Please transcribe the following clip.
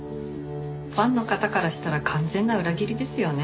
ファンの方からしたら完全な裏切りですよね。